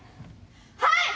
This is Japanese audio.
はい！